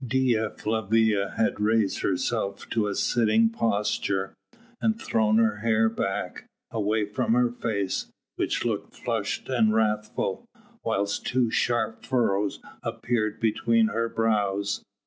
Dea Flavia had raised herself to a sitting posture, and thrown her hair back, away from her face which looked flushed and wrathful, whilst two sharp furrows appeared between her brows.